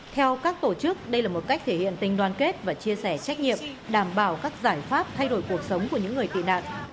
theo các tổ chức đây là một cách thể hiện tình đoàn kết và chia sẻ trách nhiệm đảm bảo các giải pháp thay đổi cuộc sống của những người tị nạn